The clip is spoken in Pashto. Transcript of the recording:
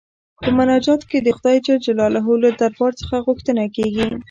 په مناجات کې د خدای جل جلاله له دربار څخه غوښتنه کيږي.